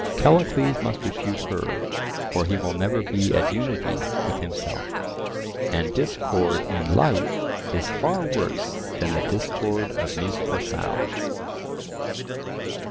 Callicles must refute her, or he will never be at unity with himself; and discord in life is far worse than the discord of musical sounds.